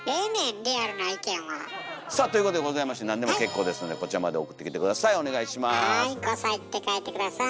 リアルな意見は。ということでございましてなんでも結構ですのでこちらまで送ってきて下さい。